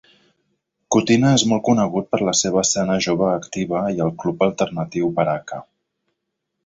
Kutina és molt conegut per la seva escena jove activa i el club alternatiu Baraka.